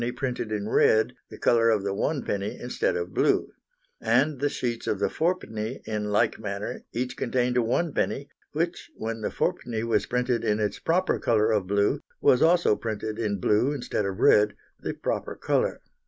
printed in red, the colour of the 1d., instead of blue. And the sheets of the 4d., in like manner, each contained a 1d, which, when the 4d. was printed in its proper colour of blue, was also printed in blue instead of red, the proper colour.